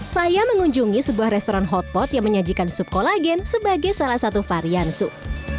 saya mengunjungi sebuah restoran hotpot yang menyajikan sup kolagen sebagai salah satu varian sup